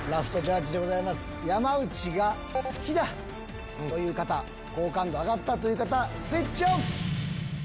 山内が好きだという方好感度上がったという方スイッチＯＮ！